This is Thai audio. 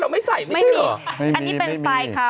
ไม่มี